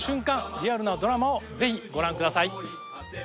リアルなドラマをぜひご覧ください